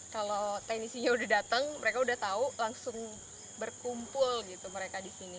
kalau teknisinya sudah datang mereka sudah tahu langsung berkumpul mereka di sini